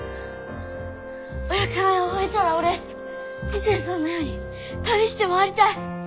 お役目を終えたら俺義仙さんのように旅して回りたい！